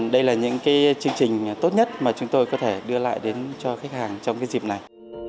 đây là những chương trình tốt nhất mà chúng tôi có thể đưa lại đến cho khách hàng trong dịp này